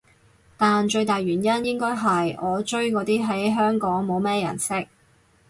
但最大原因應該係我追嗰啲喺香港冇乜人識